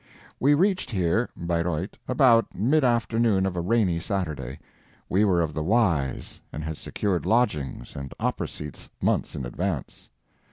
We reached here (Bayreuth) about mid afternoon of a rainy Saturday. We were of the wise, and had secured lodgings and opera seats months in advance.